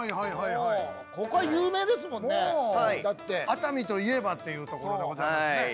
熱海といえばっていうところでございますね。